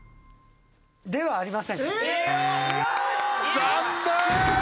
ではありません。